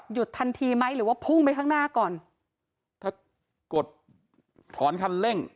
ทันทีไหมหรือว่าพุ่งไปข้างหน้าก่อนถ้ากดถอนคันเร่ง